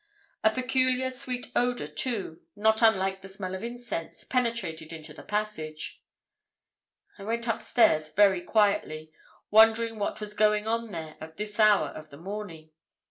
A peculiar sweet odour, too, not unlike the smell of incense, penetrated into the passage. "I went upstairs very quietly, wondering what was going on there at this hour of the morning.